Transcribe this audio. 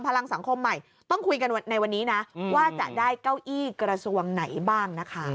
พลังสังคมใหม่ต้องคุยกันในวันนี้นะว่าจะได้เก้าอี้กระทรวงไหนบ้างนะคะ